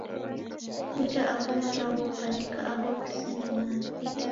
Futa agho malagho kwaandika aho ghisene mana.